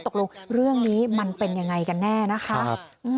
ตกลงเรื่องนี้มันเป็นยังไงกันแน่นะคะ